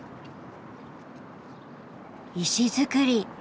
石造り！